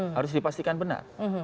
harus dipastikan benar